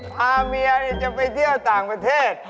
พาเมียจะไปเที่ยวต่างประเทศ